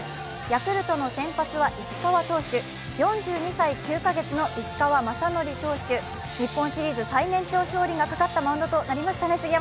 ヤクルトの先発は石川投手、４２歳９か月の石川雅規投手、日本シリーズ最年長勝利がかかったマウンドとなりましたね。